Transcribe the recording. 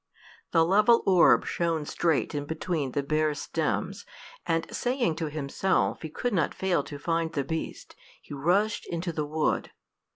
The level orb shone straight in between the bare stems, and saying to himself he could not fail to find the beast, he rushed into the wood.